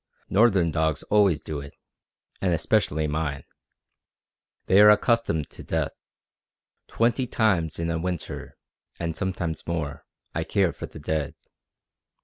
"Northern dogs always do it, and especially mine. They are accustomed to death. Twenty times in a winter, and sometimes more, I care for the dead.